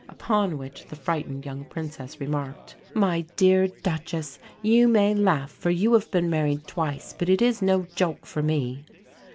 Upon which the frightened young Princess remarked, "My dear Duchess, you may laugh, for you have been married twice; but it is no joke for me."